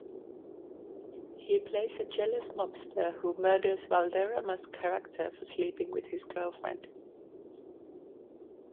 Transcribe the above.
He plays a jealous mobster who murders Valderrama's character for sleeping with his girlfriend.